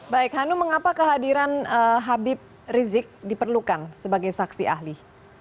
baik hanum mengapa kehadiran habib rizik diperlukan sebagai saksi ahli